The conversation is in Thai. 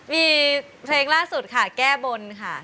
มีเพลงล่าสุดค่ะแก้บนค่ะ